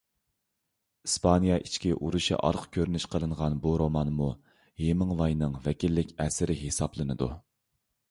ئىسپانىيە ئىچكى ئۇرۇشى ئارقا كۆرۈنۈش قىلىنغان بۇ رومانمۇ ھېمىڭۋاينىڭ ۋەكىللىك ئەسىرى ھېسابلىنىدۇ.